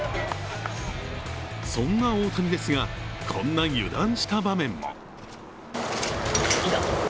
そんな大谷ですがこんな油断した場面も。